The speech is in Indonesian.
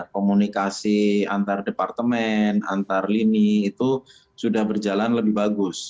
komunikasi antar departemen antar lini itu sudah berjalan lebih bagus